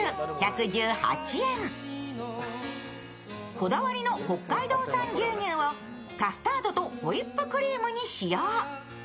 こだわりの北海道産牛乳をカスタードとホイップクリームに使用。